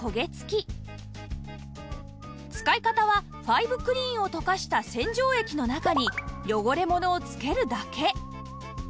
使い方はファイブクリーンを溶かした洗浄液の中に汚れものをつけるだけ